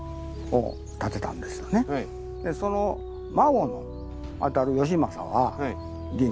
その孫にあたる義政は。